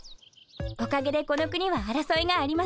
おかげでこの国はあらそいがありません。